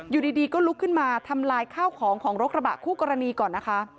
อยู่ดีก็ลุกขึ้นมาทำลายข้าวของของรถกระบะคู่กรณีก่อนนะคะ